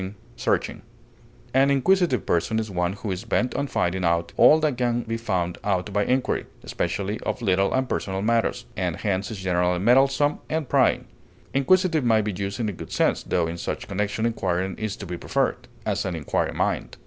intrusive, An inquisitive person is one who is bent on finding out all that can be found out by inquiry, especially of little and personal matters, and hence is generally meddlesome and prying. Inquisitive may be used in a good sense, tho in such connection inquiring is to be preferred; as, an inquiring mind.